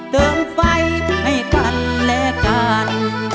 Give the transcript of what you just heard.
เติมไฟให้กันและกัน